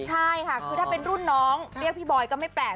ใช่ค่ะคือถ้าเป็นรุ่นน้องเรียกพี่บอยก็ไม่แปลก